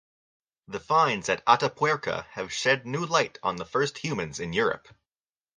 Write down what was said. The finds at Atapuerca have shed new light on the first humans in Europe.